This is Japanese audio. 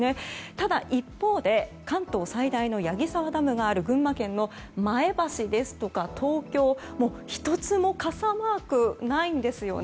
ただ一方で、関東最大の矢木沢ダムがある群馬県の前橋や東京、１つも傘マークがないんですよね。